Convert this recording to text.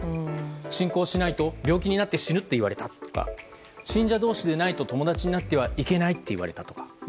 信仰しないと病気になって死ぬと言われたとか信者同士ではないと友達になってはいけないと言われたとか。